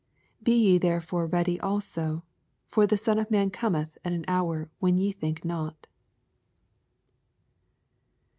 40 Be ye therefore ready also ; for the Son of man cometh at an hoax when ye think not.